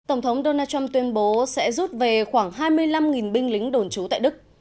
tổng thống donald trump tuyên bố sẽ rút về khoảng hai mươi năm binh lính đồn trú tại đức